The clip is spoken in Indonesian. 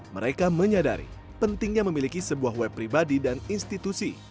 mereka menyadari pentingnya memiliki sebuah web pribadi dan institusi